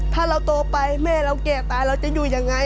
ถ้าเราโตไปแม่เราแก่ตายเราจะอยู่ยังไง